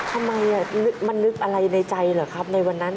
ทำไมมันนึกอะไรในใจเหรอครับในวันนั้น